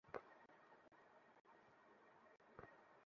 আমাদের গাড়ি কখনো থামা উচিৎ নয়, সুব্বারাও।